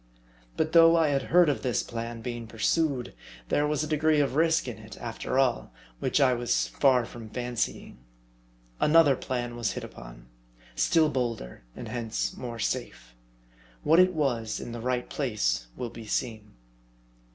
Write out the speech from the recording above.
But though I had heard of this plan being pursued, there was a degree of risk in it, after all, which I was far from fancying. Another plan was hit upon ; still bolder ; and hence more safe. What it was, in the right place will be seen.